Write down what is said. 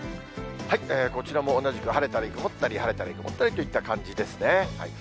こちらも同じく、晴れたり曇ったり、晴れたり曇ったりという感じですね。